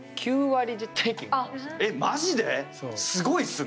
すごいっすね。